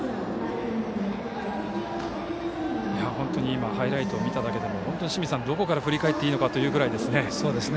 本当に今ハイライトを見ただけでもどこから振り返っていいのかというぐらい。